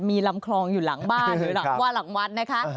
มีลำคลองอยู่หลังบ้านหรือหลังว่าหลังวัดนะคะ